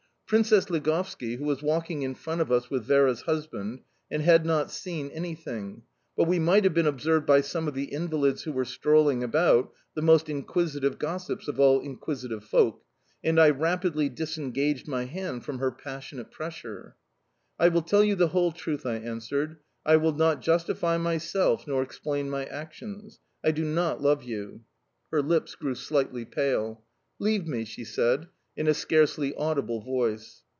Princess Ligovski was walking in front of us with Vera's husband, and had not seen anything; but we might have been observed by some of the invalids who were strolling about the most inquisitive gossips of all inquisitive folk and I rapidly disengaged my hand from her passionate pressure. "I will tell you the whole truth," I answered. "I will not justify myself, nor explain my actions: I do not love you." Her lips grew slightly pale. "Leave me," she said, in a scarcely audible voice.